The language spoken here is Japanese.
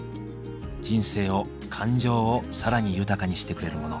人生を感情を更に豊かにしてくれるモノ。